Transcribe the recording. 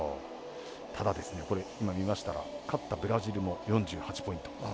ただ、今、見ましたら勝ったブラジルも４８ポイント。